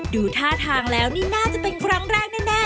ดูท่าทางแล้วนี่น่าจะเป็นครั้งแรกแน่